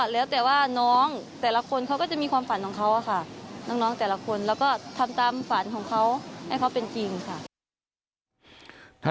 ด้านน้องแต่ละคนแล้วก็ทำตามฝันของเขาให้เขาเป็นจริงค่ะ